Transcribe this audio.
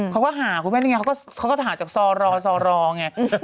เขาก็หาคุณแม่นี่ไงเขาก็ถามจากซอรอซอรอไง